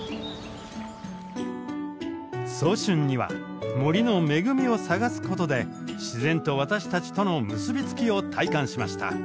早春には森の恵みを探すことで自然と私たちとの結び付きを体感しました。